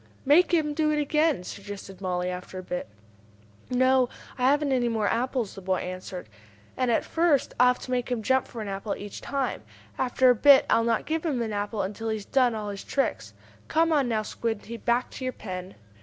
"Make him do it again," suggested Mollie, after a bit. "No, I haven't any more apples," the boy answered. "And at first I'll have to make him jump for an apple each time. After a bit I'll not give him an apple until he has done all his tricks. Come on now, Squinty, back to your pen."